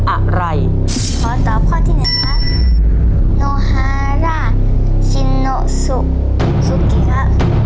อะไรขอตอบข้อที่หนึ่งครับโนฮาร่าชิโนสุซุกิระ